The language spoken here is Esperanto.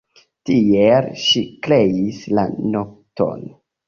Tiel ŝi kreis la nokton.